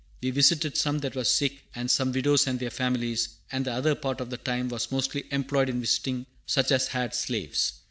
We visited some that were sick, and some widows and their families; and the other part of the time was mostly employed in visiting such as had slaves.